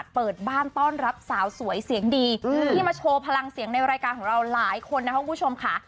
เปิดบ้านต้อนรับสาวสวยเสียงดีที่มาโชว์พลังเสียงในรายการของเราหลายคนนะครับคุณผู้ชมค่ะ